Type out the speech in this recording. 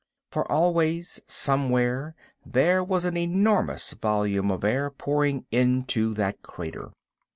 For always, somewhere, there was an enormous volume of air pouring into that crater.